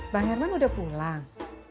bang herman udah pulang